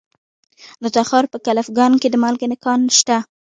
د تخار په کلفګان کې د مالګې کان شته.